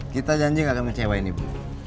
kita janji gak akan mencewainya bu